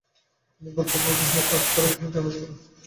তিনি বৌদ্ধ ধর্মগ্রন্থ বিনয়-পিটকের উপর জ্ঞানার্জন করেন।